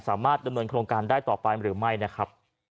สามารถดำเนินโครงการได้ต่อไปหรือไม่นะครับ